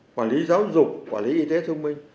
quản lý giáo dục quản lý y tế thông minh